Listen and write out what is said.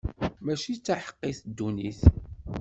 Mačči d taḥeqqit ddunit.